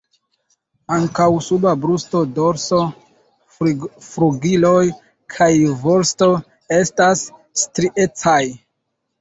Ankaŭ suba brusto, dorso, flugiloj kaj vosto estas striecaj.